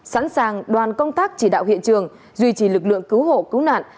sẵn sàng đoàn công tác chỉ đạo hiện trường duy trì lực lượng cứu hộ cứu nạn